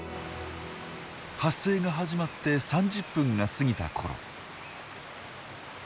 発生が始まって３０分が過ぎたころ。